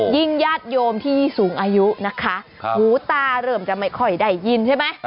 ญาติโยมที่สูงอายุนะคะหูตาเริ่มจะไม่ค่อยได้ยินใช่ไหม